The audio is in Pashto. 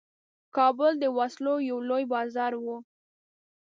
کابل د وسلو یو لوی بازار وو.